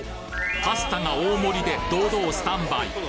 パスタが大盛りで堂々スタンバイ！